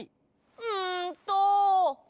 うんと。